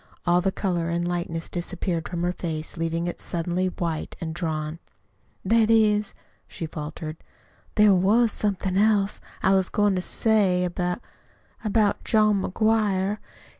All the color and lightness disappeared from her face, leaving it suddenly white and drawn. "That is," she faltered, "there was somethin' else I was goin' to say, about about John McGuire.